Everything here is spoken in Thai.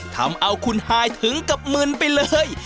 ทำเอาคุณฮายถึงกับมึนไปเลย